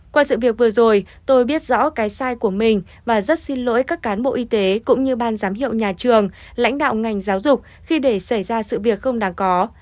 qua sự việc vừa rồi tôi biết rõ cái sai của mình và rất xin lỗi các cán bộ y tế cũng như ban giám hiệu nhà trường lãnh đạo ngành giáo dục khi để xảy ra sự việc không đáng có